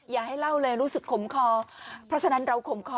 อย่าให้เล่าเลยรู้สึกขมคอเพราะฉะนั้นเราขมคอ